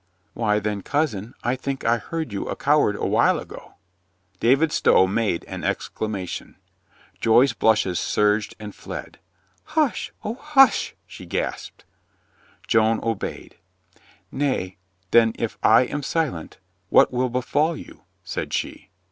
"Why, then, cousin, I think I heard you a coward a while ago." David Stow made an exclamation. Joy's blushes surged and fled. "Hush, O, hush !" she gasped. Joan obeyed ... "Nay, then, if T am si lent, what will befall you?" said she.